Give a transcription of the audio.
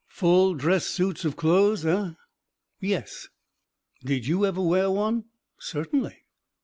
"Full dress suits of clothes, eh?" "Yes." "Did you ever wear one?" "Certainly."